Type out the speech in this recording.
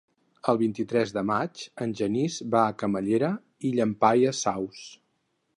El vint-i-tres de maig en Genís va a Camallera i Llampaies Saus.